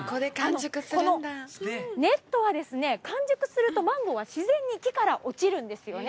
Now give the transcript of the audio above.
このネットは完熟するとマンゴーは自然に木から落ちるんですよね。